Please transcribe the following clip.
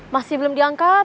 masih belum diangkat